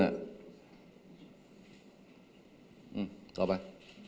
อืมกลับมา